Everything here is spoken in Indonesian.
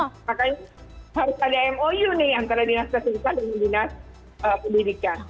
makanya harus ada mou nih antara dinas kesehatan dengan dinas pendidikan